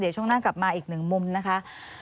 เดี๋ยวช่วงหน้ากลับมาอีกหนึ่งมุมนะคะ